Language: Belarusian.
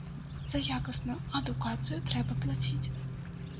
За якасную адукацыю трэба плаціць!